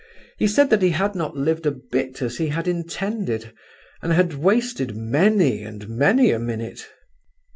He said that he had not lived a bit as he had intended, and had wasted many, and many a minute."